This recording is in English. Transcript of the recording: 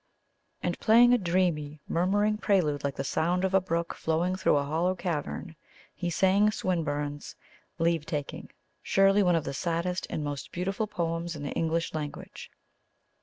And, playing a dreamy, murmuring prelude like the sound of a brook flowing through a hollow cavern, he sang Swinburne's "Leave Taking," surely one of the saddest and most beautiful poems in the English language.